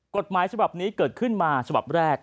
กฎหมายฉบับนี้เกิดขึ้นมาฉบับแรก